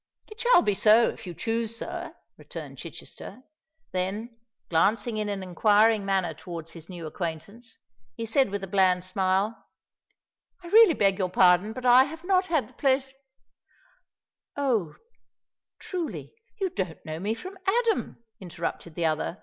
"It shall be so, if you choose, sir," returned Chichester: then, glancing in an inquiring manner towards his new acquaintance, he said with a bland smile, "I really beg your pardon—but I have not the pleasure——" "Oh! truly—you don't know me from Adam!" interrupted the other.